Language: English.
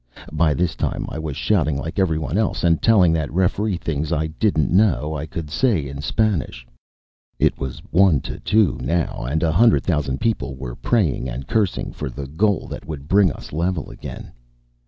By this time, I was shouting like everyone else and telling that referee things I didn't know I could say in Spanish. It was 1 — 2 now, and a hundred thousand people were praying and GALAXY THE STROKE OF THE SUN 75 cursing for the goal that would bring us level again.